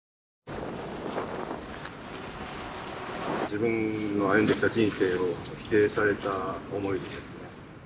自分の歩んできた人生を否定された思いですね。